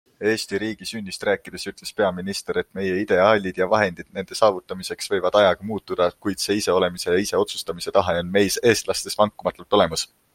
Eesti riigi sünnist rääkides ütles peaminister, et meie ideaalid ja vahendid nende saavutamiseks võivad ajaga muutuda, kuid see iseolemise ja ise otsustamise tahe on meis, eestlastes vankumatult olemas.